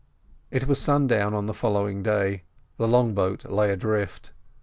It was sundown on the following day. The long boat lay adrift.